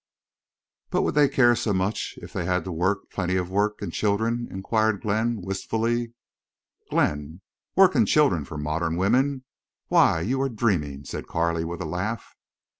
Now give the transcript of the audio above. "But would they care so much—if they had to work—plenty of work—and children?" inquired Glenn, wistfully. "Glenn! Work and children for modern women? Why, you are dreaming!" said Carley, with a laugh.